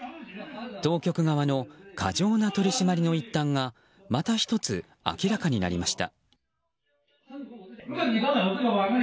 当局側の過剰な取り締まりの一端がまた１つ明らかになりました。